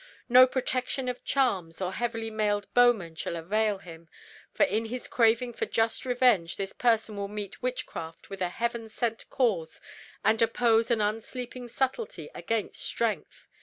No protection of charms or heavily mailed bowmen shall avail him, for in his craving for just revenge this person will meet witchcraft with a Heaven sent cause and oppose an unsleeping subtlety against strength.